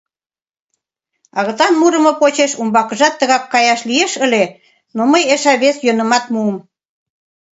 Агытан мурымо почеш умбакыжат тыгак каяш лиеш ыле, но мый эше вес йӧнымат муым.